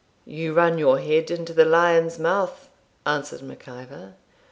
'You run your head into the lion's mouth,' answered Mac Ivor.